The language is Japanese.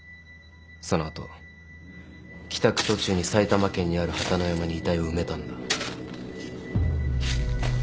その後帰宅途中に埼玉県にある榛野山に遺体を埋めたんだ。